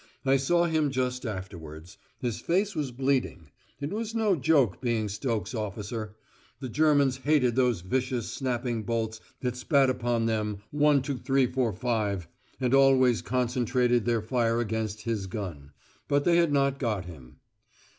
I saw him just afterwards: his face was bleeding. It was no joke being Stokes officer; the Germans hated those vicious snapping bolts that spat upon them "One, two, three, four, five," and always concentrated their fire against his gun. But they had not got him.